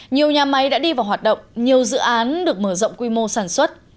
nhiều nhà máy đã đi vào hoạt động nhiều dự án được mở rộng quy mô sản xuất